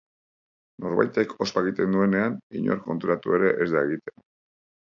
Norbaitek ospa egiten duenean, inor konturatu ere ez da egiten.